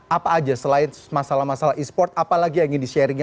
apa aja selain masalah masalah esports apa lagi yang ingin di sharingnya